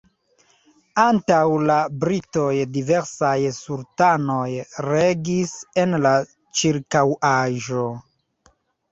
Antaŭ la britoj diversaj sultanoj regis en la ĉirkaŭaĵo.